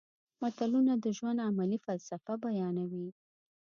متلونه د ژوند عملي فلسفه بیانوي